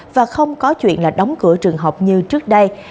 và không có chuyện là đóng cửa trường học như trước đây